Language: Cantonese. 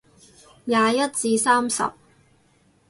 廿一至三十